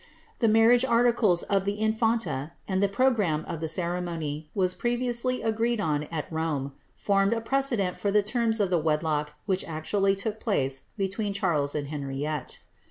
The marriage articles of the infanta, and the programme of the ceremony, as previously agreed on at Rome, formed a precedent for the terms of the wedlock that actually took place be tween Charles and Henriette.